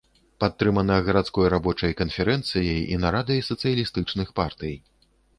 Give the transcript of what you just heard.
Падтрымана гарадской рабочай канферэнцыяй і нарадай сацыялістычных партый.